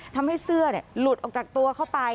ทำให้เสื้อหลุดออกจากตัวเข้าไป